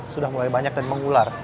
sudah mulai banyak dan mengular